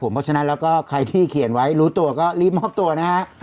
เพราะฉะนั้นแล้วก็ใครที่เขียนไว้รู้ตัวก็รีบมอบตัวนะฮะ